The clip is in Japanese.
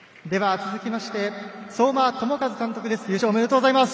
続きまして相馬朋和監督です。